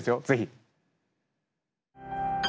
ぜひ。